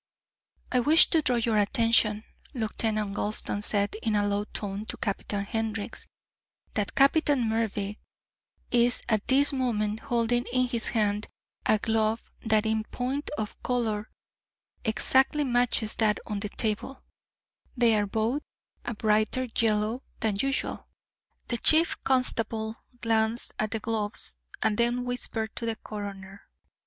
"I wish to draw your attention," Lieutenant Gulston said in a low tone to Captain Hendricks, "that Captain Mervyn is at this moment holding in his hand a glove that in point of colour exactly matches that on the table; they are both a brighter yellow than usual." The Chief Constable glanced at the gloves and then whispered to the coroner.